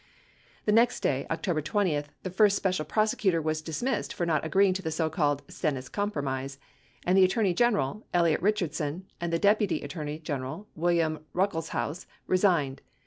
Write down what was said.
The next day, October 20, the first Special Prosecutor was dismissed for not agreeing to the so called "Stennis Compromise," and the Attorney General, Elliot Richardson, and the Deputy Attor ney General, William Ruckelshaus. resigned.